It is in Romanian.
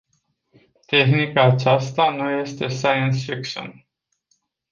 Tehnica aceasta nu este science fiction.